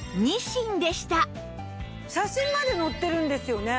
写真まで載ってるんですよね。